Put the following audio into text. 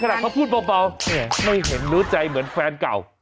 ขนาดเขาพูดเบาเนี่ยไม่เห็นรู้ใจเหมือนแฟนเก่า